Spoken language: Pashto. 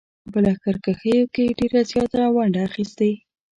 په لښکرکښیو کې یې ډېره زیاته ونډه اخیستې.